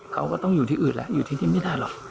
เขาก็ต้องอยู่ที่อื่นแล้วอยู่ที่นี่ไม่ได้หรอก